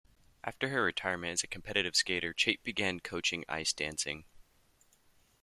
After her retirement as a competitive skater, Chait began coaching ice dancing.